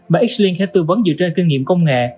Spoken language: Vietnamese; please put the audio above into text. mà h link sẽ tư vấn dựa trên kinh nghiệm công nghệ